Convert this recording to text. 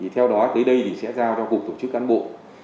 theo đó tới đây sẽ giao cho cục tổ chức cản bộ